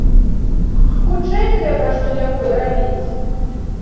Хутчэй трэба што якое рабіць.